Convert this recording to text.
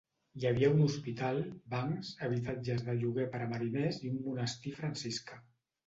Hi havia un hospital, bancs, habitatges de lloguer per a mariners i un monestir franciscà.